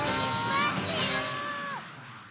まってよ！